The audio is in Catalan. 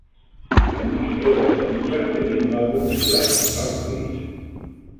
En unes tres hores i mitja, tenien un àlbum titulat "Surfbeat".